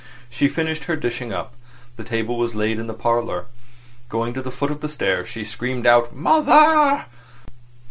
She finished her dishing up. The table was laid in the parlour. Going to the foot of the stairs, she screamed out "Mother!"